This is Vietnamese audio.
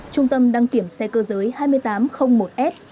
trung tâm đăng kiểm xe cơ giới hai nghìn tám trăm linh một s